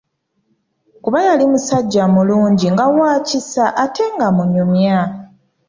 Kuba yali musajja mulungi nga wa kisa ate nga munyumya.